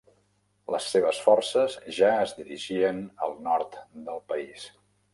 Les seves forces ja es dirigien al nord del país.